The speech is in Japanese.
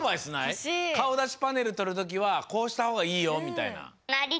ほしい！かおだしパネルとるときはこうしたほうがいいよみたいな。